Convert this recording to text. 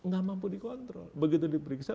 nggak mampu dikontrol begitu diperiksa